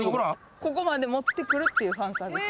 ここまで持ってくるというファンサービス